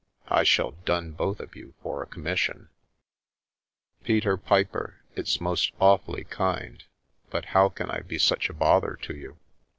I shall dun both of you for a commission !"" Peter Piper, it's most awfully kind, but how can I be such a bother to you?